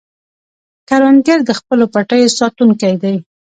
کروندګر د خپلو پټیو ساتونکی دی